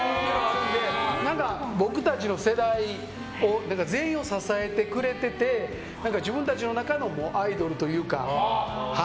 僕たちの世代全員を支えてくれてて自分たちの中のアイドルというか。